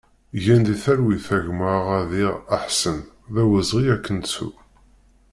Gen di talwit a gma Aɣadir Aḥsen, d awezɣi ad k-nettu!